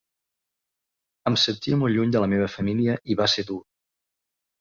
Em sentia molt lluny de la meva família i va ser dur.